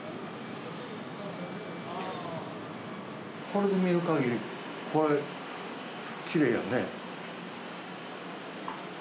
これで見るかぎり、これ、きれいやんね。